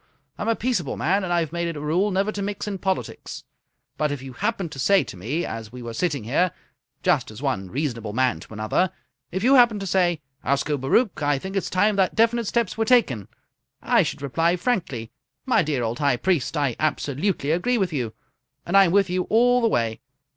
I'm a peaceable man, and I've made it a rule never to mix in politics, but if you happened to say to me as we were sitting here, just as one reasonable man to another if you happened to say, 'Ascobaruch, I think it's time that definite steps were taken,' I should reply frankly, 'My dear old High Priest, I absolutely agree with you, and I'm with you all the way.'